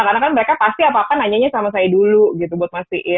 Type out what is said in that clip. karena kan mereka pasti apa apa nanyanya sama saya dulu gitu buat mastiin